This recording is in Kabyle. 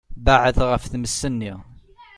Beεεed ɣef tmes-nni.